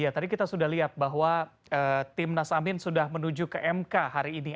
tadi kita sudah lihat bahwa tim nas amin sudah menuju ke mk hari ini